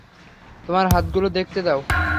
তোমার হাতগুলো দেখতে দাও।